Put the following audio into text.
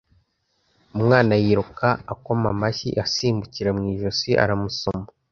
umwana yiruka akoma amashyi asimbukira mu ijosi aramusoma